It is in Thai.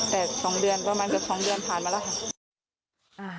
แต่สองเดือนก็ประมาณกับสองเดือนผ่านมาแล้วค่ะ